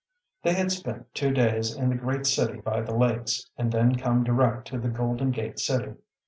They had spent two days in the great city by the lakes, and then come direct to the Golden Gate city.